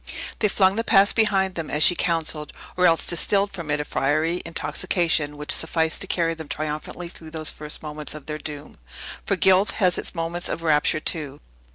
They flung the past behind them, as she counselled, or else distilled from it a fiery, intoxication, which sufficed to carry them triumphantly through those first moments of their doom. For guilt has its moment of rapture too.